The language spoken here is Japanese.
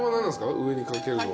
上に掛けるのは。